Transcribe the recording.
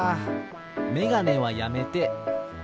メガネはやめて。